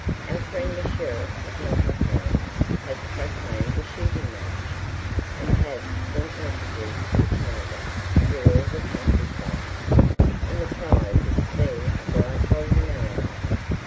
Our friend the Sheriff of Nottingham hath proclaimed a shooting match, and hath sent messengers to tell of it through all the countryside, and the prize is to be a bright golden arrow.